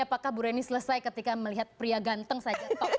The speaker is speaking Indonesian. apakah bu reni selesai ketika melihat pria ganteng saja